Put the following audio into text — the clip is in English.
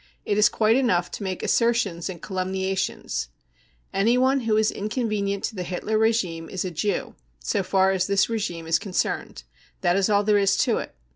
It is quite enough to majke assertions and calumniations. Anyone who is inconvenient to the Hitler regime is a "Jew" so far as this regime is concerned. That is all there is to it.